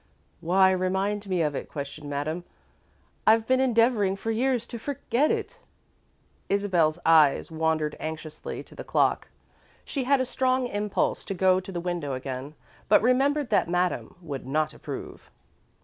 "Why remind me of it?" questioned Madame. "I've been endeavouring for years to forget it." Isabel's eyes wandered anxiously to the clock. She had a strong impulse to go to the window again, but remembered that Madame would not approve.